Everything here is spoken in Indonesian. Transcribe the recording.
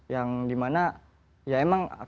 yang dimana ya emang